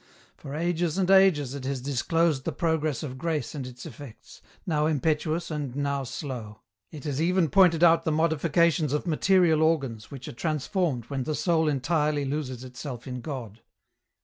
For ages and ages it has disclosed the progress of grace and its effects, now impetuous and now slow ; it has even pointed out the modifications of material organs which are transformed when the soul entirely loses itself in God.